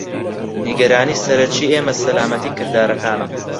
نیگەرانی سەرەکی ئێمە سەلامەتی کردارەکانە.